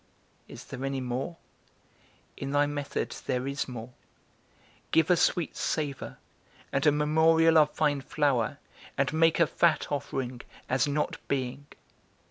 Is there any more? In thy method there is more: Give a sweet savour, and a memorial of fine flour, and make a fat offering, as not being.